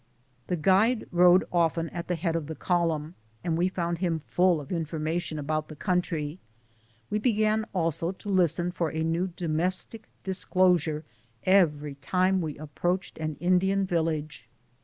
The guide rode often at the head of the column, and we found him full of information about the country. We began also to listen for a new domestic disclosure every time we approached an Indian village.